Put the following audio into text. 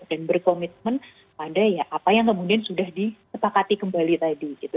dan berkomitmen pada ya apa yang kemudian sudah disepakati kembali tadi gitu